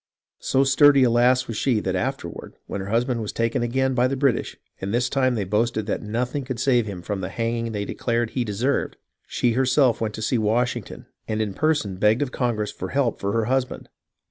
So sturdy a lass was she that after ward, when her husband was taken again by the British, and this time they boasted that nothing could save him from the hanging they declared he deserved, she herself went to see Washington and in person begged of Congress for help for her husband.